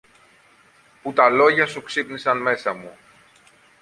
που τα λόγια σου ξύπνησαν μέσα μου.